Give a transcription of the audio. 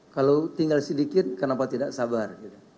kalau tinggal sedikit kenapa tidak sabar